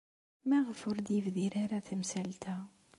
Maɣef ur d-yebdir ara tamsalt-a?